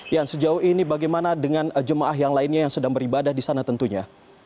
yan sejauh ini bagaimana dengan jemaah yang lainnya yang sedang beribadah di sana tentunya